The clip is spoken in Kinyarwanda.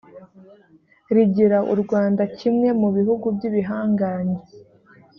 rigira u rwanda kimwe mubihugu by ibihangange